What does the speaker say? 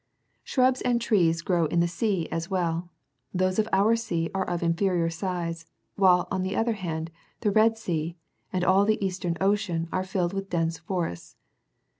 Shrubs and trees grow in the sea34 as well ; those of our sea35 are of inferior size, while, on the other hand, the Red Sea and all the Eastern Ocean are filled with dense forests.